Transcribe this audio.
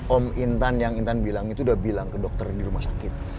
om intan yang intan bilang itu udah bilang ke dokter di rumah sakit